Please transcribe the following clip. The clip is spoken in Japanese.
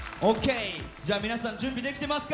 皆さん準備できてますか？